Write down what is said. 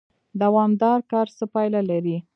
دوامدار کار څه پایله لري؟